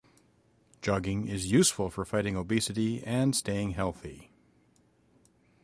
Jogging is useful for fighting obesity and staying healthy.